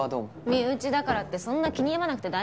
身内だからってそんな気に病まなくて大丈夫ですよ。